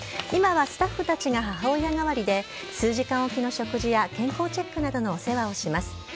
今はスタッフたちが母親代わりで、数時間置きの食事や健康チェックなどのお世話をします。